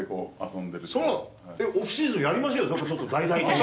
そう、オフシーズン、やりましょうよ、なんかちょっと、大々的に。